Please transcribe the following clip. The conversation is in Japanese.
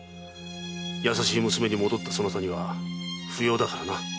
優しい娘に戻ったそなたには不要だからな。